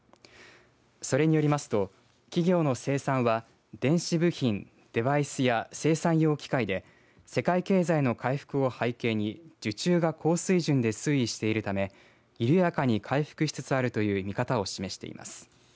それによりますと企業の生産は電子部品・デバイスや生産用機械で世界経済の回復を背景に受注が高水準で推移しているため緩やかに回復しつつあるという見方を示しています。